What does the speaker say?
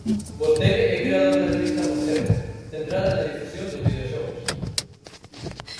Vostede é creador da revista Morcego, centrada na difusión dos videoxogos.